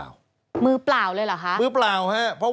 สวัสดีค่ะต้อนรับคุณบุษฎี